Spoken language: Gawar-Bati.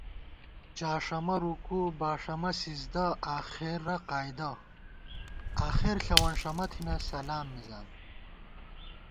جاݭَمہ رکوع ، باݭَمہ سِزدہ ، آخرہ قعدہ آخر ݪَونݭَمہ تھنہ سلام مِزان